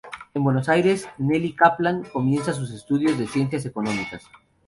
En Buenos Aires, Nelly Kaplan comienza sus estudios de Ciencias económicas.